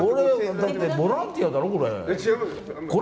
だって、ボランティアだろこれ。